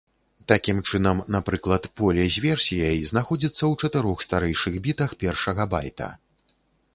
Такім чынам, напрыклад, поле з версіяй знаходзіцца ў чатырох старэйшых бітах першага байта.